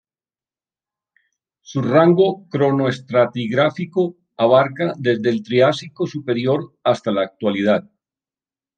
Su rango cronoestratigráfico abarca desde el Triásico superior hasta la actualidad.